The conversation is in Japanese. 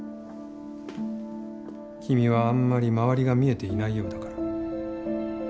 君はあんまり周りが見えていないようだから。